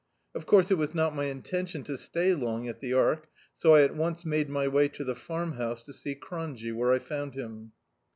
Of course it was not my intention to stay long at the Ark, so I at once made my way to the Fannhousc, to see "Cronje," where I found him.